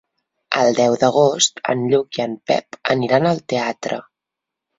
El deu d'agost en Lluc i en Pep aniran al teatre.